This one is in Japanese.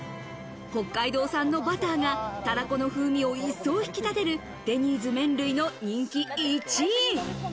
北海道産のバターがたらこの風味を一層引き立てる、デニーズ麺類の人気１位。